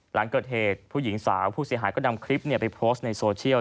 หลังเกิดเหตุผู้หญิงสาวผู้เสียหายก็นำคลิปไปโพสต์ในโซเชียล